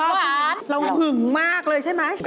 เราหึงมากเลยใช่ไหม